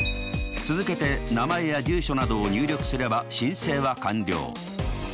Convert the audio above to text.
続けて名前や住所などを入力すれば申請は完了。